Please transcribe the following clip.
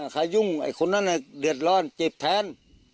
ยุ่งไอ้คนนั้นเดือดร้อนเจ็บแทน